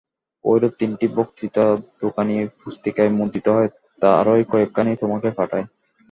এইরূপ তিনটি বক্তৃতা দুখানি পুস্তিকায় মুদ্রিত হয়, তারই কয়েকখানি তোমাকে পাঠাই।